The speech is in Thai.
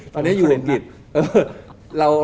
ตอนเนี้ยอยู่อังกฤษ